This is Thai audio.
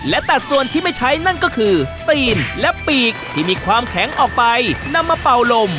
และตัดส่วนที่ไม่ใช้นั่นก็คือตีนและปีกที่มีความแข็งออกไปนำมาเป่าลม